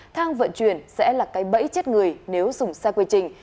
thang vận chuyển sẽ là cái bẫy chết người nếu dùng xe quê trình